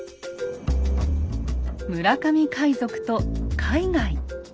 村上海賊と海外。